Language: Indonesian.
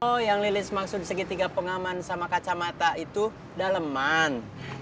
oh yang lilis maksud segitiga pengaman sama kacamata itu daleman